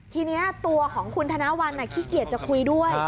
ทีนี้ตัวของคุณธนวัลขี้เกียจจะคุยด้วย